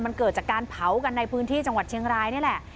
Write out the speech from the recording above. มันเกิดจากการเผากันในพื้นที่จังหวัดเชียงรายนี่แหละ